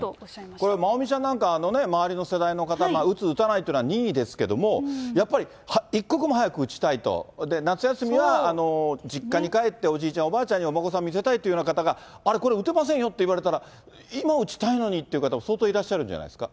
これ、まおみちゃんなんか周りの世代の方、打つ、打たないというのは任意ですけども、やっぱり、一刻も早く打ちたいと、夏休みは実家に帰って、おじいちゃん、おばあちゃんにお孫さん見せたいというような方が、あれ、これ打てませんよと言われたら、今打ちたいのにという方、相当いらっしゃるんじゃないですか。